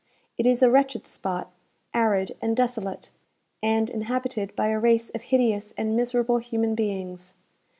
It is a wretched spot arid and desolate, and inhabited by a race of hideous and miserable human beings.